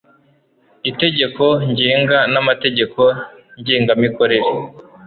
itegeko ngenga n amategeko ngengamikorere